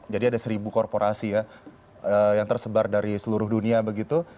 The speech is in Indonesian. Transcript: jadi ada seribu korporasi ya yang tersebar dari seluruh dunia begitu